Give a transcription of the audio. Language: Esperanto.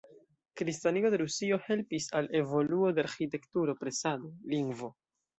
Kristanigo de Rusio helpis al evoluo de arĥitekturo, presado, lingvo.